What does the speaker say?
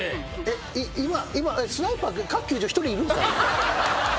今スナイパーが各球場１人いるんですか？